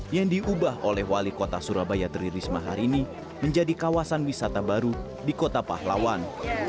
yang diubah oleh wali kota surabaya tri risma hari ini menjadi kawasan wisata baru di kota pahlawan